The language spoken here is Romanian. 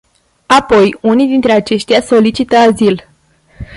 Apoi unii dintre aceștia solicită azil.